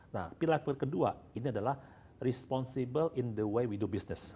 nah pilar pilar kedua ini adalah responsible in the way we do business